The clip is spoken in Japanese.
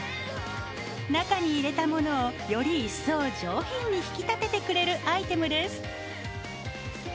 中に入れたものをより一層上品に引き立ててくれるアイテムです。